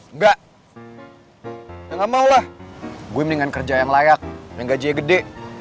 enggak ya nggak mau lah gue mendingan kerja yang layak dengan gajinya gede